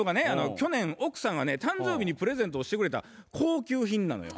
去年奥さんがね誕生日にプレゼントをしてくれた高級品なのよ。